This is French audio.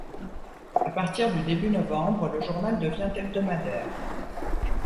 À partir du début novembre, le journal devient hebdomadaire.